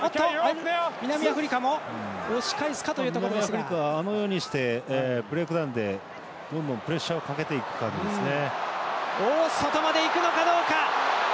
南アフリカあのようにしてブレイクダウンでどんどんプレッシャーをかけていく感じですね。